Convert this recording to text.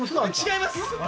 違います。